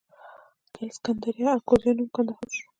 د الکسندریه اراکوزیا نوم کندهار شو